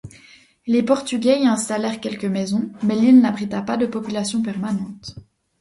Les Portugais y installèrent quelques maisons, mais l’île n'abrita pas de population permanente.